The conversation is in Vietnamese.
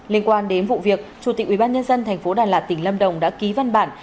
liên quan đến vụ việc chủ tịch ubnd tp đà lạt tỉnh lâm đồng đã ký văn bản